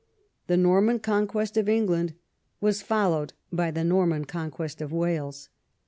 The Xorman Conquest of England was followed by the Norman Conquest of Wales.